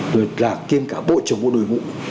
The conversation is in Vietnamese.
rồi là kiêm cả bộ trưởng bộ đội hữu